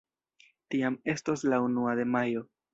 Tiam estos la unua de Majo.